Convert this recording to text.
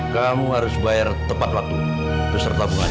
kamu harus bayar tepat waktu beserta bunga